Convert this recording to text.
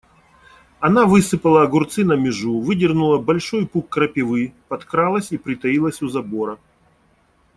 Она высыпала огурцы на межу, выдернула большой пук крапивы, подкралась и притаилась у забора.